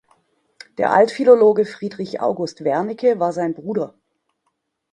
Der Altphilologe Friedrich August Wernicke war sein Bruder.